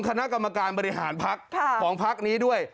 คณะกรรมการบริหารพักของพักนี้ด้วย